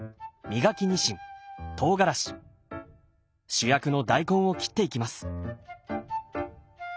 主役の大根を切っていきます。